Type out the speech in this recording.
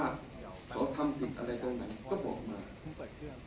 ถ้าเขาทำผิดอะไรตรงนั้นก็บอกมา